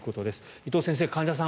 伊藤先生、患者さん